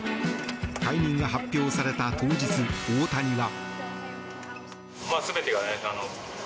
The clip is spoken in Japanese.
解任が発表された当日大谷は。